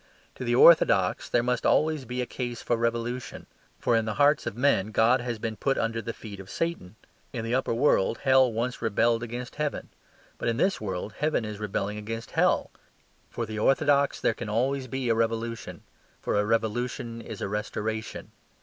To the orthodox there must always be a case for revolution; for in the hearts of men God has been put under the feet of Satan. In the upper world hell once rebelled against heaven. But in this world heaven is rebelling against hell. For the orthodox there can always be a revolution; for a revolution is a restoration.